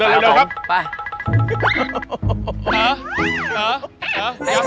เต๋อเต๋อเต๋อ